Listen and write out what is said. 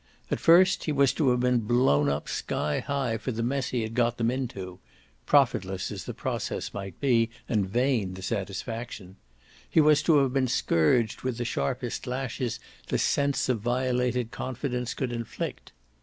At first he was to have been blown up sky high for the mess he had got them into profitless as the process might be and vain the satisfaction; he was to have been scourged with the sharpest lashes the sense of violated confidence could inflict.